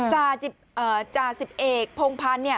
จาศิษย์เอกโพงพันธ์เนี่ย